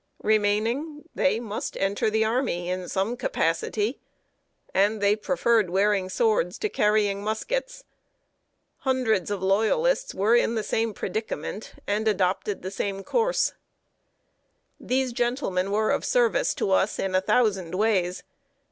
Remaining, they must enter the army in some capacity, and they preferred wearing swords to carrying muskets. Hundreds of Loyalists were in the same predicament, and adopted the same course. [Sidenote: A FRIENDLY CONFEDERATE OFFICER.] These gentlemen were of service to us in a thousand ways.